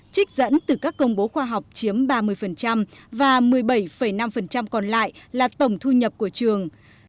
trích dẫn từ các công bố khoa học chiếm ba mươi và một mươi bảy năm còn lại là tổng thu nhập của trường